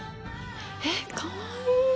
えっかわいい！